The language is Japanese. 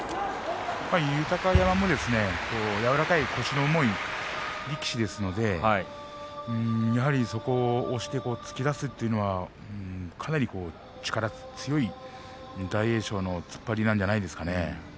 豊山も柔らかい腰の重い力士ですのでやはり、そこを押して突き出すというのはかなり力が強い大栄翔の突っ張りなんじゃないですかね。